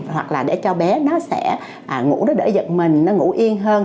hoặc là để cho bé nó sẽ ngủ nó đỡ giật mình nó ngủ yên hơn